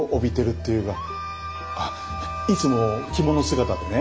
あっいつも着物姿でね